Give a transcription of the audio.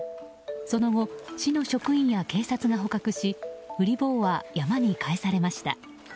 その後、市の職員や警察が捕獲しウリ坊は山に帰されました。